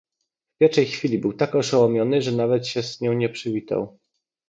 "W pierwszej chwili był tak oszołomiony, że nawet się z nią nie przywitał."